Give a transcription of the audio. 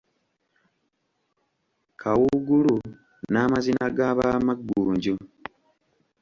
Kawuugulu n'amazina g'Abamaggunju.